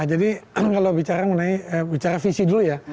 jadi kalau bicara visi dulu ya